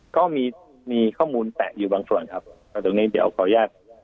ก็มีมีข้อมูลแตะอยู่บางส่วนครับตรงนี้เดี๋ยวขออนุญาต